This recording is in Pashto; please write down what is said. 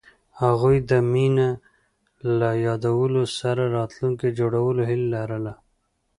هغوی د مینه له یادونو سره راتلونکی جوړولو هیله لرله.